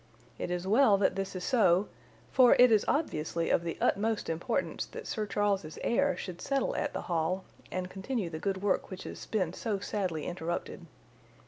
It is well that this is so, for it is obviously of the utmost importance that Sir Charles's heir should settle at the Hall and continue the good work which has been so sadly interrupted.